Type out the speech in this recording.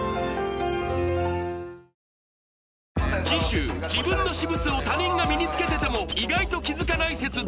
次週自分の私物を他人が身につけてても意外と気づかない説